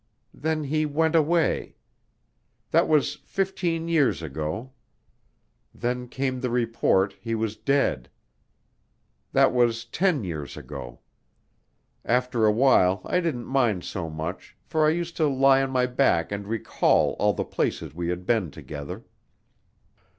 Then he went away. That was fifteen years ago. Then came the report he was dead; that was ten years ago. After a while I didn't mind so much, for I used to lie on my back and recall all the places we had been together.